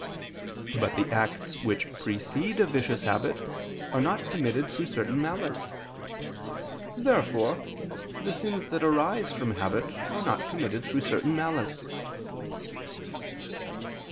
But the acts which precede a vicious habit are not committed through certain malice. Therefore the sins that arise from habit are not committed through certain malice.